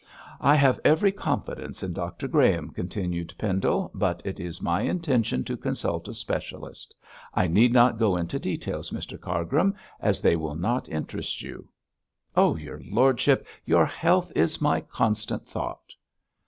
'I have every confidence in Dr Graham,' continued Pendle, 'but it is my intention to consult a specialist. I need not go into details, Mr Cargrim, as they will not interest you.' 'Oh, your lordship, your health is my constant thought.'